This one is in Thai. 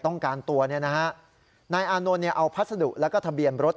ต้องการตัวเนี่ยนะฮะนายอานนท์เนี่ยเอาพัสดุแล้วก็ทะเบียนรถ